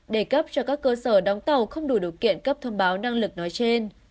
để cấp cho các cơ sở đóng tàu không đủ điều kiện cấp thông báo năng lực nói trên